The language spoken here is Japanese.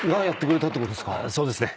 そうですね。